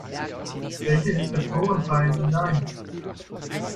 Welche Deskriptoren fallen Ihnen ein?